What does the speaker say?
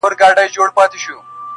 هغې ته هر څه بند ښکاري او فکر ګډوډ وي,